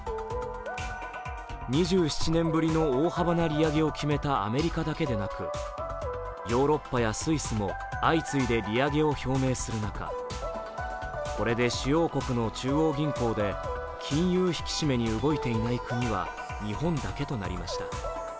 ２７年ぶりの大幅な利上げを決めたアメリカだけでなくヨーロッパやスイスも相次いで利上げを表明する中、これで主要国の中央銀行で金融引き締めに動いていない国は日本だけとなりました。